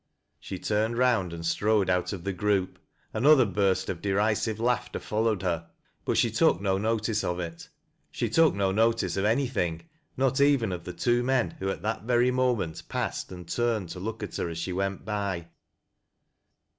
She turned round and strode out of the group. Another burst of derisive laughter followed her, but she took no notice of it. She took no notice of anything — not even of the two men who at that very moment passed and turned to look at her as she went by.